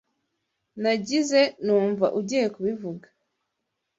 Nagize numva ugiye kubivuga.